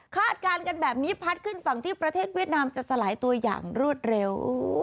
การกันแบบนี้พัดขึ้นฝั่งที่ประเทศเวียดนามจะสลายตัวอย่างรวดเร็ว